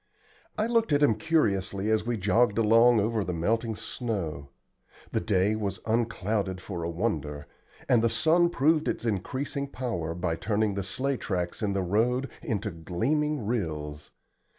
I looked at him curiously as we jogged along over the melting snow. The day was unclouded for a wonder, and the sun proved its increasing power by turning the sleigh tracks in the road into gleaming rills.